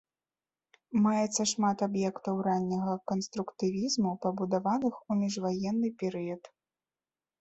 Маецца шмат аб'ектаў ранняга канструктывізму, пабудаваных ў міжваенны перыяд.